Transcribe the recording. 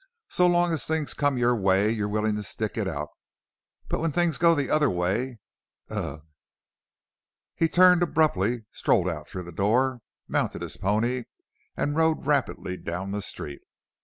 So long as things come your way you're willing to stick it out, but when things go the other way Ugh!" He turned abruptly, strode out through the door, mounted his pony, and rode rapidly down the street.